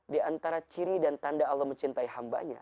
di antara ciri dan tanda allah mencintai hambanya